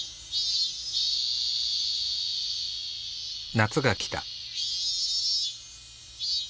夏が来た。